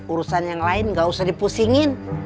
urusan yang lain gak usah dipusingin